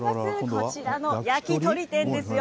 こちらの焼き鳥店ですよ。